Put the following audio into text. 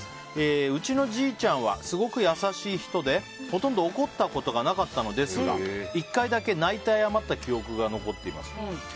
うちのじいちゃんはすごく優しい人で、ほとんど怒ったことがなかったのですが１回だけ泣いて謝った記憶が残っています。